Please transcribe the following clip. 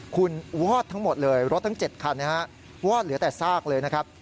คุณวอดทั้งหมดเลยรถทั้ง๗คันนะฮะวอดเหลือแต่ซากเลยนะครับ